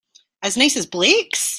As nice as Blake's?